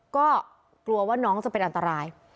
ก็กลัวว่าน้องจะเป็นอันตราย